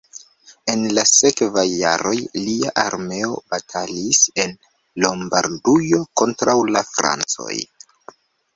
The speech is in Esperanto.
En la sekvaj jaroj lia armeo batalis en Lombardujo kontraŭ la francoj.